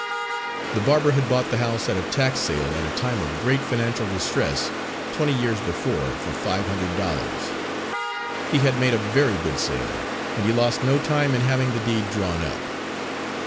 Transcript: The barber had bought the house at a tax sale at a time of great financial distress, twenty years before, for five hundred dollars. He had made a very good sale, and he lost no time in having the deed drawn up.